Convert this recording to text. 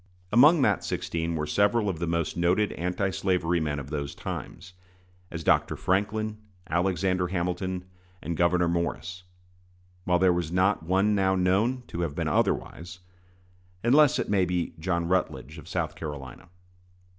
Among that sixteen were several of the most noted anti slavery men of those times, as Dr. Franklin, Alexander Hamilton, and Gouverneur Morris, while there was not one now known to have been otherwise, unless it may be John Rutledge, of South Carolina.